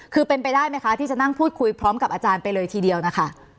คือเป็นไปได้ไหมคะที่จะนั่งพูดคุยพร้อมกับอาจารย์ไปเลยทีเดียวนะคะ